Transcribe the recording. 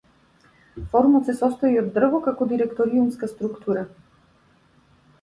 Форумот се состои од дрво како директориумска структура.